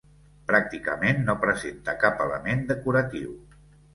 Pràcticament no presenta cap element decoratiu.